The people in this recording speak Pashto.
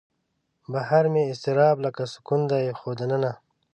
بهر مې اضطراب لکه سکون دی خو دننه